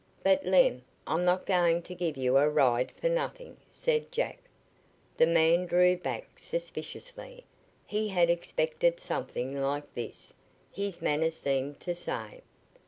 But, Lem, I'm not going to give you a ride for nothing," said Jack. The man drew back suspiciously. He had expected something like this, his manner seemed to say.